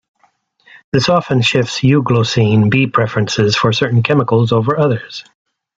This often shifts euglossine bee preferences for certain chemicals over others.